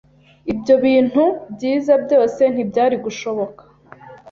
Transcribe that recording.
Ibyo bintu byiza byose ntibyari gushoboka